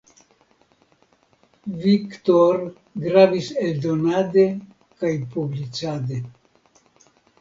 Victor gravis eldonade kaj publicade.